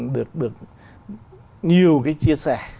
được nhiều cái chia sẻ